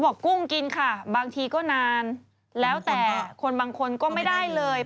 ใช่อันนี้สูงมากเลย